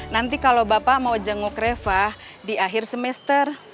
nanti kalau bapak mau jenguk refa di akhir semester